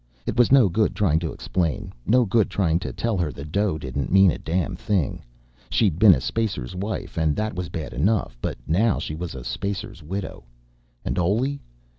It was no good trying to explain, no good trying to tell her the dough didn't mean a damn thing. She'd been a spacer's wife, and that was bad enough, but now she was a spacer's widow. And Oley?